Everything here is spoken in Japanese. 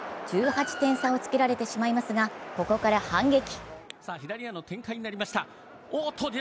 １８点差をつけられてしまいますがここから反撃。